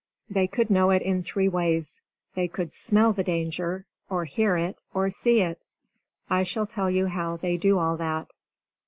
They could know it in three ways: they could smell the danger, or hear it, or see it. I shall tell you how they do all that.